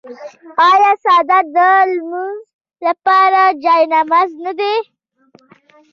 آیا څادر د لمانځه لپاره جای نماز نه دی؟